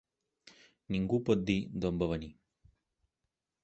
Ningú pot dir d'on va venir.